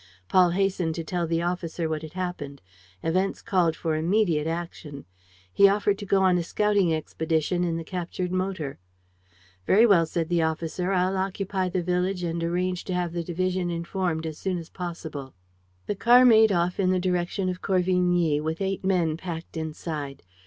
Paul hastened to tell the officer what had happened. Events called for immediate action. He offered to go on a scouting expedition in the captured motor. "Very well," said the officer. "I'll occupy the village and arrange to have the division informed as soon as possible." The car made off in the direction of Corvigny, with eight men packed inside.